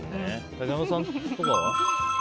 竹山さんとかは？